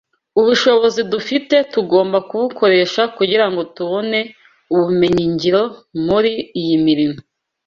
Ubushobozi dufite tugomba kubukoresha kugira ngo tubone ubumenyingiro muri iyi mirimo